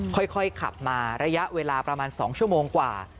ค่อยขับมาระยะเวลาประมาณ๒ชั่วโมงกว่า